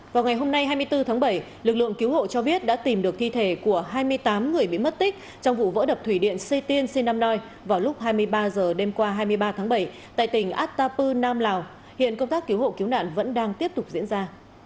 vào ngày hôm nay hai mươi bốn tháng bảy lực lượng cứu hộ cho biết đã tìm được thi thể của hai mươi tám người bị mất tích trong vụ vỡ đập thủy điện sê tiên sinh năm nay vào lúc hai mươi ba h đêm qua hai mươi ba tháng bảy tại tỉnh atapu nam lào hiện công tác cứu hộ cứu nạn vẫn đang tiếp tục diễn ra